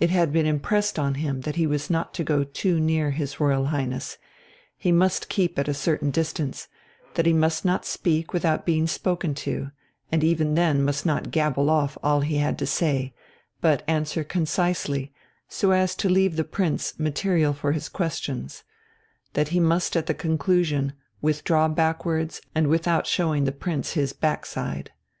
It had been impressed on him that he was not to go too near his Royal Highness, but must keep at a certain distance, that he must not speak without being spoken to, and even then must not gabble off all he had to say, but answer concisely, so as to leave the Prince material for his questions; that he must at the conclusion withdraw backwards and without showing the Prince his backside.